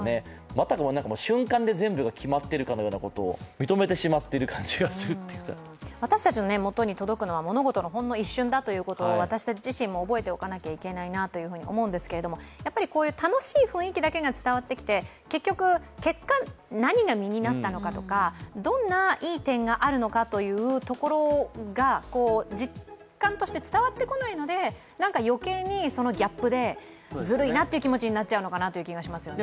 また瞬間で全部決まっていることを私たちのもとに届くのは物事のほんの一瞬だということを私たち自身も覚えておかなきゃいけないなと思うんですけど、やっぱりこういう楽しい雰囲気だけが伝わってきて結果何が身になったのかとかどんないい点があるのかというところが実感として伝わってこないので、なんか余計にそのギャップでずるいなという気持ちになっちゃうのかなと思いますね。